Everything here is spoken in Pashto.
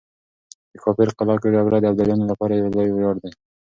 د کافر قلعه جګړه د ابدالیانو لپاره يو لوی وياړ دی.